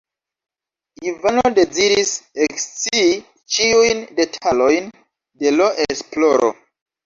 Ivano deziris ekscii ĉiujn detalojn de l' esploro.